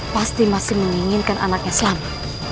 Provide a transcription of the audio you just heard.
pasti masih menginginkan anaknya selamat